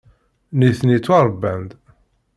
Nitni ttwaṛebban-d.